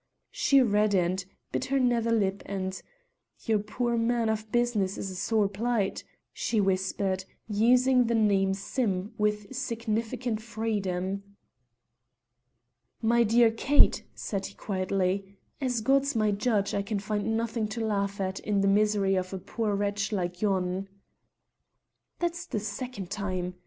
She reddened, bit her nether lip, and "Your poor man of business is in a sore plight," she whispered, using the name Sim with significant freedom. "My dear Kate," said he quietly, "as God's my judge, I can find nothing to laugh at in the misery of a poor wretch like yon." "That's the second time!"